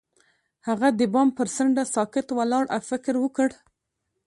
هغه د بام پر څنډه ساکت ولاړ او فکر وکړ.